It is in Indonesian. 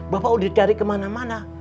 bapak udah nyari kemana mana